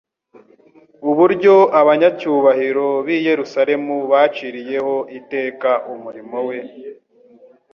Uburyo abanyacyubahiro b’i Yerusalemu baciriyeho iteka umurimo we